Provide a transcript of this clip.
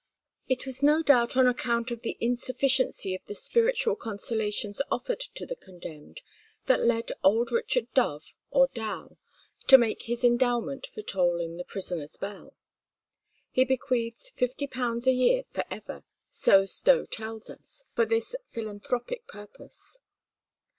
It was no doubt on account of the insufficiency of the spiritual consolations offered to the condemned that led old Richard Dove, or Dow, to make his endowment for tolling the prisoner's bell. He bequeathed fifty pounds a year for ever, so Stowe tells us, for this philanthropic purpose.